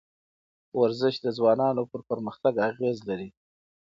ورزش د ځوانانو پر پرمختګ اغېز لري.